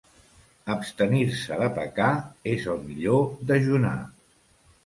Abstenir-se de pecar és el millor dejunar.